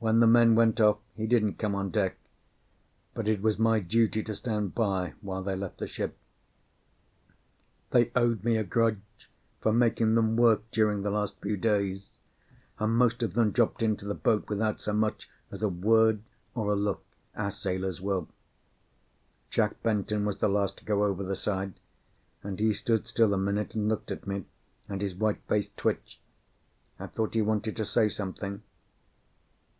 When the men went off he didn't come on deck; but it was my duty to stand by while they left the ship. They owed me a grudge for making them work during the last few days, and most of them dropped into the boat without so much as a word or a look, as sailors will. Jack Benton was the last to go over the side, and he stood still a minute and looked at me, and his white face twitched. I thought he wanted to say something.